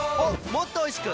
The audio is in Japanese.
もっとおいしく！